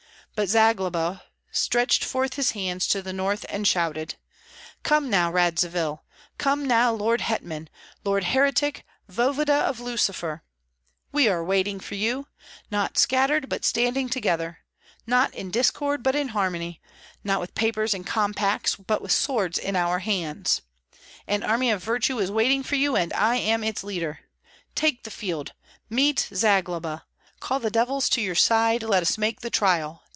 But Zagloba stretched forth his hands to the north, and shouted, "Come now, Radzivill! Come now, lord hetman, lord heretic, voevoda of Lucifer! We are waiting for you, not scattered, but standing together; not in discord, but in harmony; not with papers and compacts, but with swords in our hands! An army of virtue is waiting for you, and I am its leader. Take the field! Meet Zagloba! Call the devils to your side; let us make the trial!